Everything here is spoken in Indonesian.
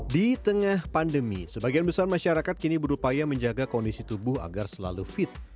di tengah pandemi sebagian besar masyarakat kini berupaya menjaga kondisi tubuh agar selalu fit